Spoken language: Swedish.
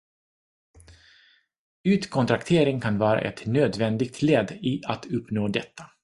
Utkontraktering kan vara ett nödvändigt led i att uppnå detta.